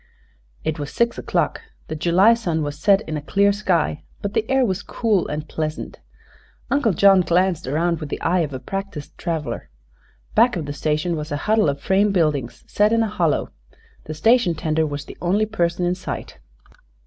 It was six o'clock. The July sun was set in a clear sky, but the air was cool and pleasant. Uncle John glanced around with the eye of a practiced traveler. Back of the station was a huddle of frame buildings set in a hollow. The station tender was the only person in sight.